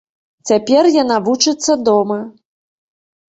Цяпер яна вучыцца дома.